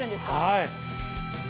はい。